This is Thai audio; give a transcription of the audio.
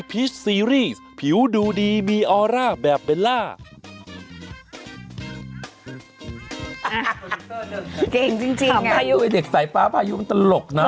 ถามพายุด้วยเด็กสายป๊าพายุมันตลกนะ